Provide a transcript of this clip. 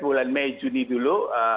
bulan mei juni dulu